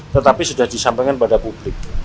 tetapi sudah disampaikan kepada publik